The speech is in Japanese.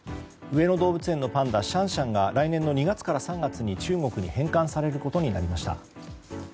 上野動物園のパンダシャンシャンが来年の２月から３月に中国に返還されることになりました。